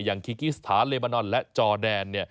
อย่างคิกอิสถาเรบานอนและจอแดน